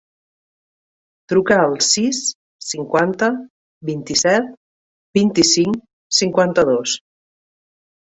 Truca al sis, cinquanta, vint-i-set, vint-i-cinc, cinquanta-dos.